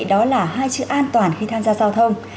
đó là hai chữ an toàn khi tham gia giao thông